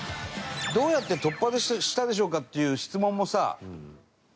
「どうやって突破したでしょうか」っていう質問もさ。